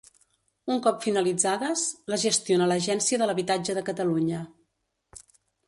Un cop finalitzades, les gestiona l'Agència de l'Habitatge de Catalunya.